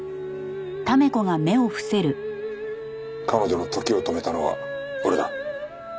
彼女の時を止めたのは俺だ。